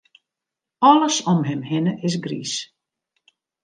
Alles om him hinne is griis.